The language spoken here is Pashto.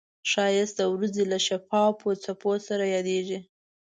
ښایست د وریځو له شفافو څپو سره یادیږي